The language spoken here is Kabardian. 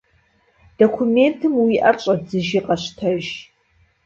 Документым уи ӏэр щӏэдзыжи къэщтэж.